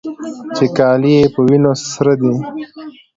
چې کالي يې په وينو سره دي.